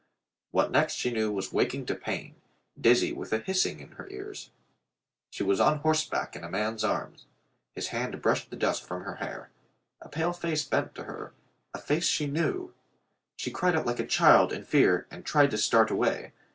What next she knew was waking to pain, dizzy with a hissing in her ears. ... She was on horseback in a man's arms. His hand brushed the dust from her hair. A pale face bent to her, a face she knew ... She cried out like a child in fear and tried to start away.